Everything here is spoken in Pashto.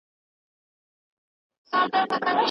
آیا اګوست کُنت فرانسوی و؟